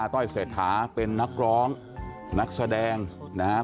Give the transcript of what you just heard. ต้อยเศรษฐาเป็นนักร้องนักแสดงนะครับ